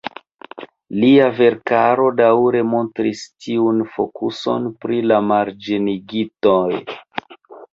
Lia verkaro daŭre montris tiun fokuson pri la marĝenigitoj.